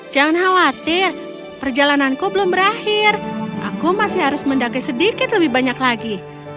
jangan khawatir perjalananku belum berakhir aku masih harus mendaki sedikit lebih banyak lagi